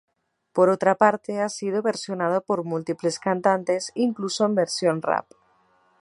Por otra parte, ha sido versionada por múltiples cantantes, incluso en versión rap.